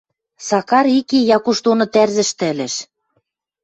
Сакар ик и Якуш доны тӓрзӹштӹ ӹлӹш.